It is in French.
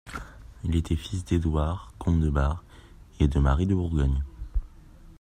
Il était fils d'Édouard, comte de Bar, et de Marie de Bourgogne.